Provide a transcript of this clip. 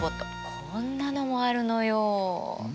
こんなのもあるのよ。